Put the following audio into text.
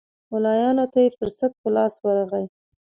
ملایانو ته یې فرصت په لاس ورغی.